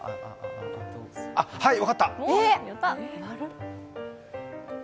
あ、はい、分かった！